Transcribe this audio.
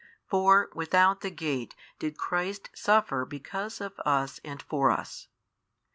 For without the gate did Christ suffer because of us and for us.